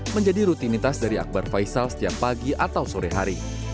menjadi rutinitas dari akbar faisal setiap pagi atau sore hari